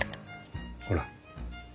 ほら。